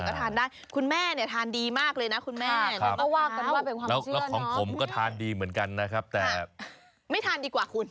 เป็นตัวประมาณนี้คุณแม่เนี่ยธานดีมากเลยนะนั้นมันก็เป็นของผมก็ดีแต่ไม่รอดนั้น